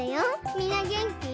みんなげんき？